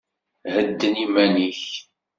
Hedden iman-ik!